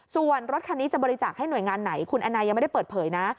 ส่วนรถคันนี้จะบริจาคให้หน่วยงานไหนคุณแอนนายังไม่ได้เปิดเผยนะ